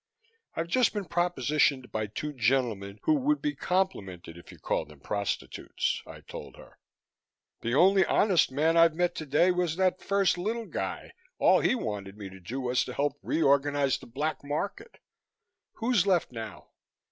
"I've just been propositioned by two gentlemen who would be complimented if you called them prostitutes," I told her. "The only honest man I've met today was that first little guy. All he wanted me to do was to help reorganize the Black Market. Who's left now?"